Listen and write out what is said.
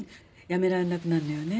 やめられなくなるのよね。